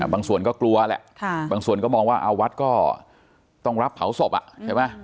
บางส่วนก็กลัวแหละบางส่วนก็มองว่าวัดก็ต้องรับเผาศพใช่ไหม